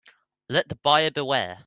Let the buyer beware.